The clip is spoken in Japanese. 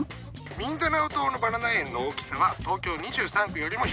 ミンダナオ島のバナナ園の大きさは東京２３区よりも広いんだよ！